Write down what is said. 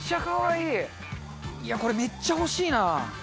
いや、これめっちゃ欲しいな。